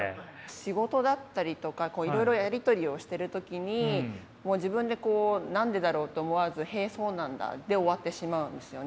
仕事だったりとかいろいろやり取りをしてる時に自分でこう「何でだろう」と思わず「へえそうなんだ」で終わってしまうんですよね。